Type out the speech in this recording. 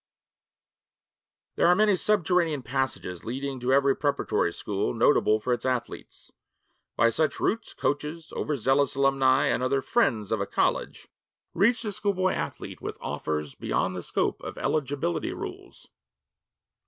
There are many subterranean passages leading to every preparatory school notable for its athletes. By such routes, coaches, over zealous alumni, and other 'friends' of a college, reach the schoolboy athlete with offers beyond the scope of eligibility rules.